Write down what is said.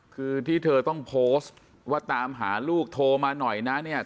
คือที่เธอต้องโพสต์ว่าตามหาลูกโทรมาหน่อยนะเนี่ย